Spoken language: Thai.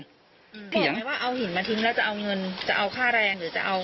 แต่อยากให้ว่าเอาหินมาทิ้งแล้วจะเอาเงินจะเอาค่าแรงหรือจะเอา